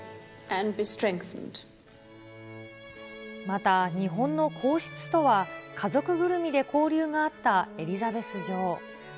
また、日本の皇室とは、家族ぐるみで交流があったエリザベス女王。